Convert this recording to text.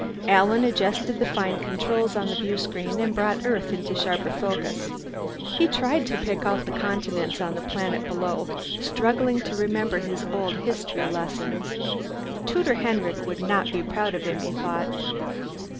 Alan adjusted the fine controls on the viewscreen and brought Earth into sharper focus. He tried to pick out the continents on the planet below, struggling to remember his old history lessons. Tutor Henrich would not be proud of him, he thought.